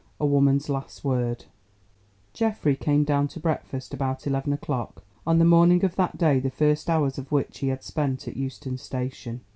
A WOMAN'S LAST WORD Geoffrey came down to breakfast about eleven o'clock on the morning of that day the first hours of which he had spent at Euston Station.